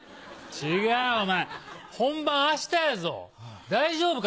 違うお前本番あしたやぞ大丈夫か？